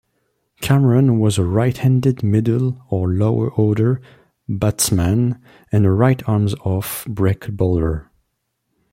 Cameron was a right-handed middle- or lower-order batsman and a right-arm off-break bowler.